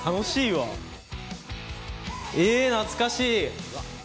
え懐かしい。